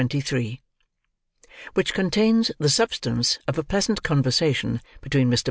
CHAPTER XXIII. WHICH CONTAINS THE SUBSTANCE OF A PLEASANT CONVERSATION BETWEEN MR.